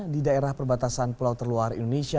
di daerah perbatasan pulau terluar indonesia